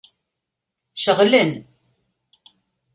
Ceɣlen.